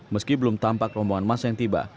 meski belum tampak rombongan masa yang tiba